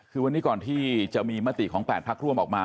คือวันนี้ก่อนที่จะมีมติของ๘พักร่วมออกมา